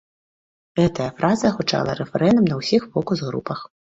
Гэтая фраза гучала рэфрэнам на ўсіх фокус-групах.